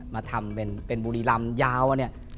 มาทำเป็นบุรีรำยาวเนี่ย